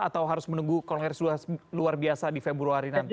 atau harus menunggu kongres luar biasa di februari nanti